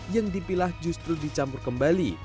yang dipilah justru dicampur kembali